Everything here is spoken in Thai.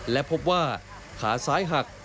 และพบว่าขาซ้ายหัก